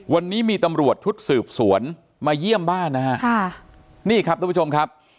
วันนี้มีตำรวจชุดสืบสวนมาเยี่ยมบ้านนะฮะค่ะนี่ครับทุกผู้ชมครับ